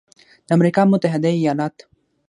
د امریکا متحده ایالات